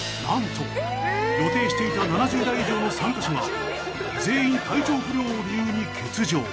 なんと予定していた７０代以上の参加者が全員体調不良を理由に欠場。